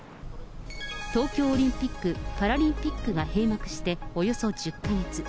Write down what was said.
東京オリンピック・パラリンピックが閉幕しておよそ１０か月。